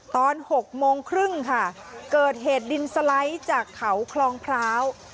ตอนหกโมงครึ่งเกิดเหตุดินสลัยจากเขาครองพล้าว